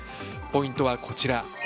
ポイントはこちら。